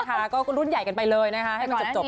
เกิดกันไปเลยนะคะให้มันจบไป